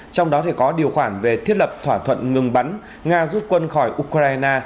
trong đó có điều khoản về thiết lập thỏa thuận ngừng bắn nga rút quân khỏi ukraine